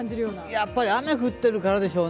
やっぱり雨降ってるからでしょうね。